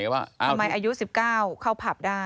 ทำไมอายุ๑๙เข้าผับได้